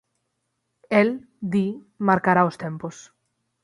El, di, marcará os tempos.